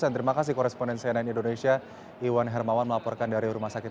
terima kasih koresponen cnn indonesia iwan hermawan melaporkan dari rumah sakit